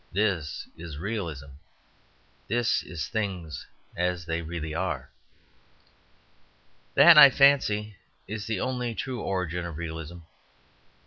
This is Realism! This is things as they really are!" That, I fancy, is the only true origin of Realism.